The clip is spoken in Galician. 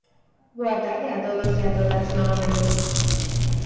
Boa tarde a todos e a todas, novamente.